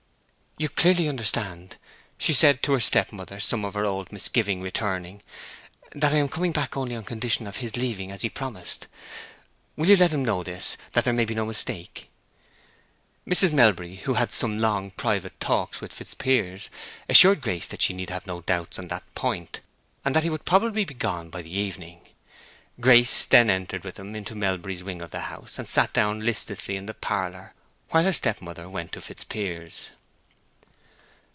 "You clearly understand," she said to her step mother some of her old misgiving returning, "that I am coming back only on condition of his leaving as he promised? Will you let him know this, that there may be no mistake?" Mrs. Melbury, who had some long private talks with Fitzpiers, assured Grace that she need have no doubts on that point, and that he would probably be gone by the evening. Grace then entered with them into Melbury's wing of the house, and sat down listlessly in the parlor, while her step mother went to Fitzpiers.